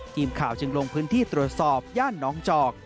ทีมข่าวจึงลงพื้นที่ตรวจสอบย่านน้องจอก